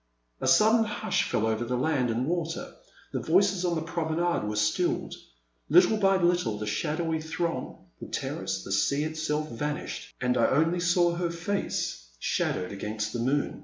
A sudden hush fell over land and water, the voices on the promenade were stilled; little by little the shadowy throng, the terrace, the sea itself vanished, and I only saw her face, shadowed against the moon.